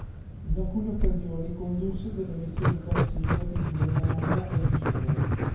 In alcune occasioni condusse delle missioni top-secret in Birmania e in Cina.